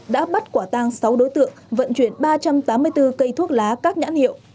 đã bắt quả tang sáu đối tượng vận chuyển ba trăm tám mươi bốn cây thuốc lá các nhãn hiệu